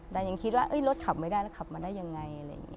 แต่ยังคิดว่ารถขับไม่ได้แล้วขับมาได้ยังไง